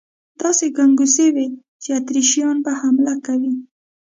داسې ګنګوسې وې چې اتریشیان به حمله کوي.